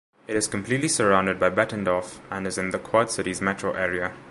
It is completely surrounded by Bettendorf, and is in the Quad Cities metro area.